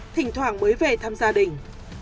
thỉnh thoảng mới về thăm gia đình